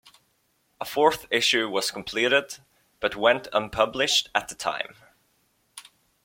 A fourth issue was completed but went unpublished at the time.